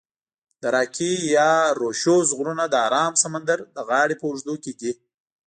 د راکي یا روشوز غرونه د آرام سمندر د غاړي په اوږدو کې دي.